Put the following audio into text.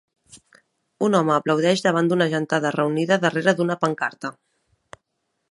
Un home aplaudeix davant d'una gentada reunida darrere d'una pancarta.